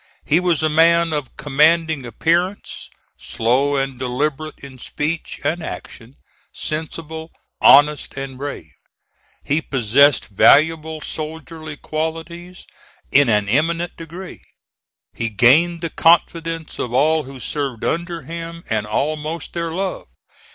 He was a man of commanding appearance, slow and deliberate in speech and action; sensible, honest and brave. He possessed valuable soldierly qualities in an eminent degree. He gained the confidence of all who served under him, and almost their love.